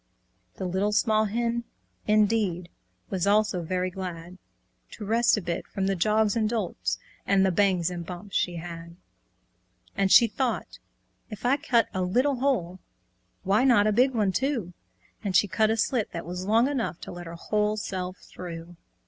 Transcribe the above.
The Little Small Red Hen, indeed, Was also very glad To rest a bit from the jogs and jolts' And the bangs and bumps she'd had. And she thought, "If I cut a little hole, Why not a big one too?" And she cut a slit that was long enough To let her whole self through!